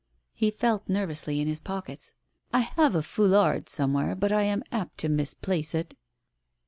H.e felt nervously in his pockets. " I have a foulard somewhere, but I am apt to mislay it."